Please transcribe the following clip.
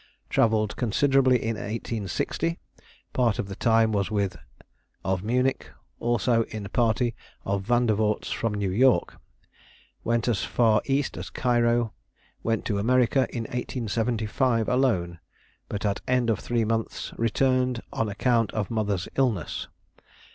"Travelled considerably in 1860; part of the time was with , of Munich; also in party of Vandervorts from New York; went as far east as Cairo. Went to America in 1875 alone, but at end of three months returned on account of mother's illness.